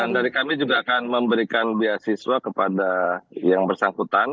dan dari kami juga akan memberikan biasiswa kepada yang bersangkutan